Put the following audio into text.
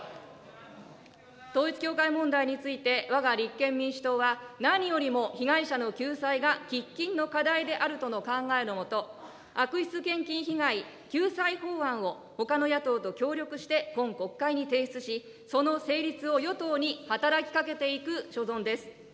統一教会問題について、わが立憲民主党は、何よりも被害者の救済が喫緊の課題であるとの考えのもと、悪質献金被害救済法案をほかの野党と協力して今国会に提出し、その成立を与党に働きかけていく所存です。